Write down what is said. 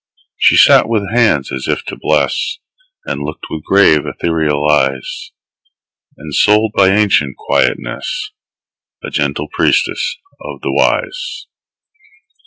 She sat with hands as if to bless, And looked with grave, ethereal eyes; Ensouled by ancient quietness, A gentle priestess of the Wise.